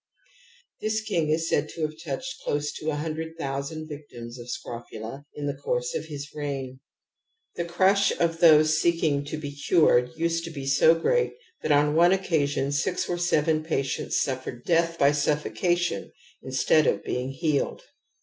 This king is said to have touched close to a hundred thousand victims of scrofula in the course of his reign. The crush of those seeking to be cured used to be so great that on one occa sionsix or seven"patients suffered death by suff o 72 TOTEM AND TABOO cAtion instead of being healed.